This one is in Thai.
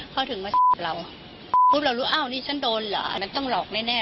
เขาถึงมาเราปุ๊บเรารู้อ้าวนี่ฉันโดนเหรออันนั้นต้องหลอกแน่